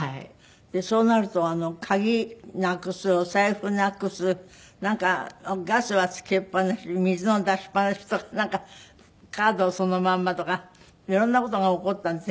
そうなると鍵なくすお財布なくすなんかガスはつけっぱなし水の出しっぱなしとかなんかカードをそのまんまとか色んな事が起こったって次々と。